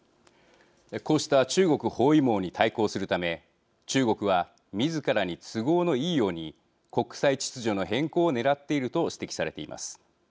こうした中国包囲網に対抗するため中国はみずからに都合のいいように国際秩序の変更をねらっていると指摘されています。